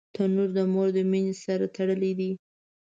تنور د مور د مینې سره تړلی دی